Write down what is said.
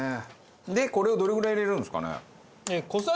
でこれをどれぐらい入れるんですかね。